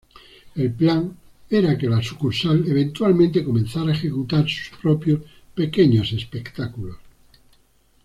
El plan era que la sucursal eventualmente comenzara a ejecutar sus propios pequeños espectáculos.